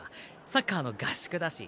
サッカーの合宿だし。